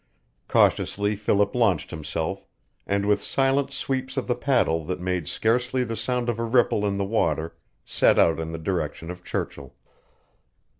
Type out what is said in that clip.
Cautiously Philip launched himself, and with silent sweeps of the paddle that made scarcely the sound of a ripple in the water set out in the direction of Churchill.